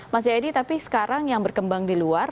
mas jayadi tapi sekarang yang berkembang di luar